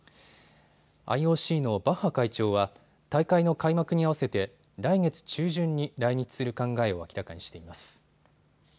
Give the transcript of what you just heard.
ＩＯＣのバッハ会長は大会の開幕に合わせて来月中旬に来日する考えを明らかにしています。